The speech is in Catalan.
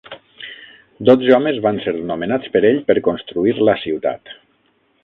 Dotze homes van ser nomenats per ell per construir la ciutat.